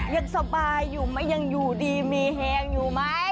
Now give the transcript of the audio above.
ยังสบายอยู่ไหมยังอยู่ดีมีแฮงอยู่ไหม